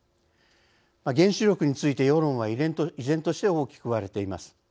原子力について世論は依然として大きく割れています。